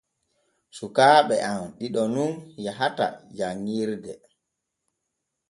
Sukaaɓe am ɗiɗo nun yahata janŋirde.